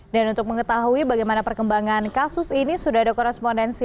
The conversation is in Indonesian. dan untuk mengetahui bagaimana perkembangan kasus ini sudah ada korespondensi